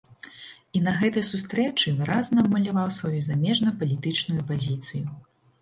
І на гэтай сустрэчы выразна абмаляваў сваю замежнапалітычную пазіцыю.